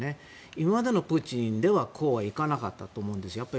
今までのプーチンではこうはいかなかったと思うんです。